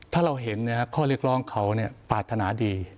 ถ้าเราเห็นข้อเรียกร้องเขาปรารถนาดี